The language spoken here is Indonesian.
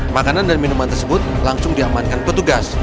makanan dan minuman tersebut langsung diamankan petugas